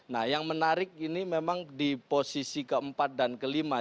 nah yang menarik ini memang di posisi keempat dan kelima